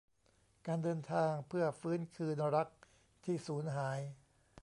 "การเดินทางเพื่อฟื้นคืนรักที่สูญหาย"